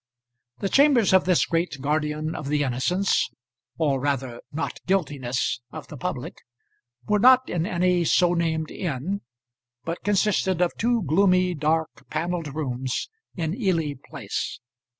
The chambers of this great guardian of the innocence or rather not guiltiness of the public were not in any so named inn, but consisted of two gloomy, dark, panelled rooms in Ely Place.